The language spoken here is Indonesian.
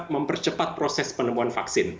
mempercepat proses penemuan vaksin